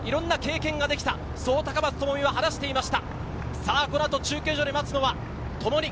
いろんな出会いがあった、いろんな経験ができた、そう高松智美は話していました。